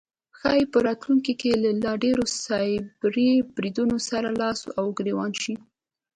ښایي په راتلونکی کې له لا ډیرو سایبري بریدونو سره لاس او ګریوان شي